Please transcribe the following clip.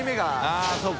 あぁそうか。